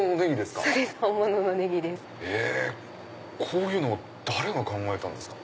こういうの誰が考えたんですか？